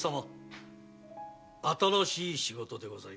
新しい仕事でございます。